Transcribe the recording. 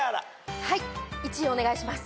はい１位お願いします。